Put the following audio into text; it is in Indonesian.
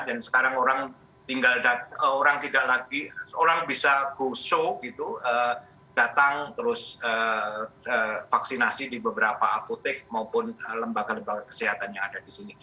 dan sekarang orang bisa go show datang terus vaksinasi di beberapa apotek maupun lembaga lembaga kesehatan yang ada di sini